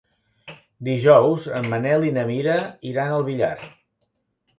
Dijous en Manel i na Mira iran al Villar.